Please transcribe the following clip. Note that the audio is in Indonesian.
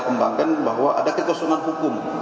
kembangkan bahwa ada kekosongan hukum